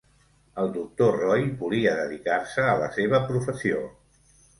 El doctor Roy volia dedicar-se a la seva professió.